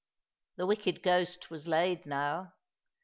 The wicked ghost was laid now.